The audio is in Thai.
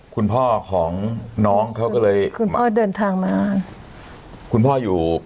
คุณพ่อของน้องเขาก็เลยคุณพ่อเดินทางมาคุณพ่ออยู่